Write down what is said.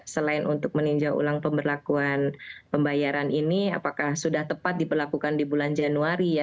selain untuk meninjau ulang pemberlakuan pembayaran ini apakah sudah tepat diperlakukan di bulan januari ya